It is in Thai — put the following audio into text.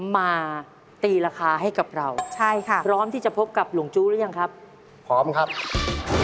มาตีราคาให้กับเราใช่ค่ะพร้อมที่จะพบกับหลงจู้หรือยังครับพร้อมครับ